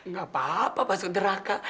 gapapa masuk neraka